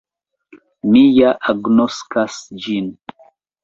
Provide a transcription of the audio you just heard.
Mi ja agnoskas ĝin.